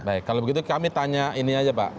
baik kalau begitu kami tanya ini aja pak